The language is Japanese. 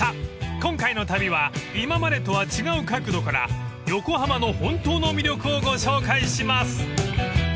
今回の旅は今までとは違う角度から横浜の本当の魅力をご紹介します］